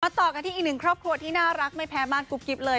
ต่อกันที่อีกหนึ่งครอบครัวที่น่ารักไม่แพ้บ้านกุ๊บกิ๊บเลย